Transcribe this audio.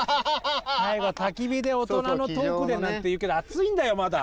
最後はたき火でオトナのトークでなんて言うけど暑いんだよまだ。